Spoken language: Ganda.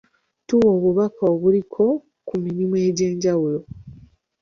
Tuwa obubaka obuliko ku mirimu egy'enjawulo.